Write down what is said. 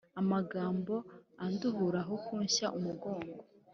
Amagambo anduhuraAho kunsha umugongo!